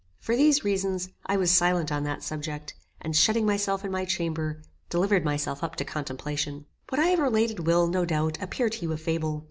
For these reasons, I was silent on that subject, and shutting myself in my chamber, delivered myself up to contemplation. What I have related will, no doubt, appear to you a fable.